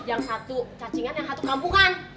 yang satu cacingan yang satu kampungan